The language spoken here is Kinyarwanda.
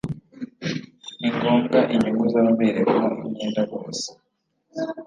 Ni ngombwa inyungu z’ababerewemo imyenda bose